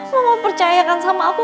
mama percayakan sama aku